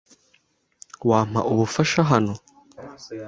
Wampa ubufasha hano?